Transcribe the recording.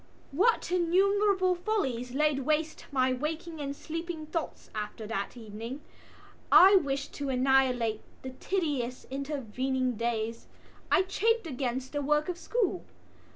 What innumerable follies laid waste my waking and sleeping thoughts after that evening! I wished to annihilate the tedious intervening days. I chafed against the work of school.